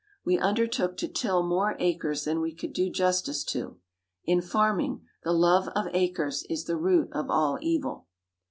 We undertook to till more acres than we could do justice to. In farming, the love of acres is the root of all evil."